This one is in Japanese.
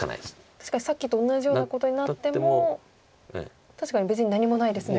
確かにさっきと同じようなことになっても確かに別に何もないですね。